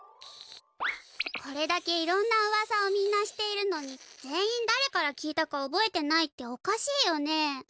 これだけいろんなうわさをみんなしているのに全員だれから聞いたかおぼえてないっておかしいよね。